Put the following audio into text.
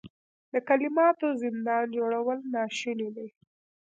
د کلماتو زندان جوړول ناشوني دي.